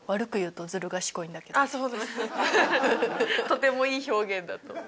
とてもいい表現だと。